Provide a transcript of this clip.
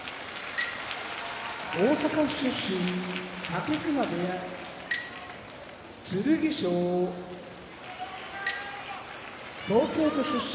大阪府出身武隈部屋剣翔東京都出身